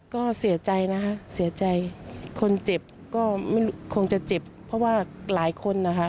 ก็เสียใจนะคะเสียใจคนเจ็บก็คงจะเจ็บเพราะว่าหลายคนนะคะ